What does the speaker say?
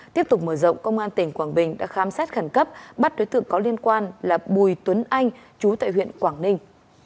tiếp tục mở rộng công an tỉnh quảng bình đã khám xét khẩn cấp bắt đối tượng có liên quan là bùi tuấn anh chú tại huyện quảng ninh